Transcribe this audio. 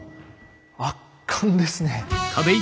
圧巻ですね！